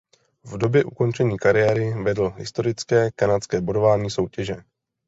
V době ukončení kariéry vedl historické kanadské bodování soutěže.